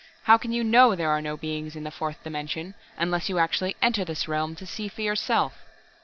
How can you know there are no beings in the fourth dimension, unless you actually enter this realm, to see for yourself?"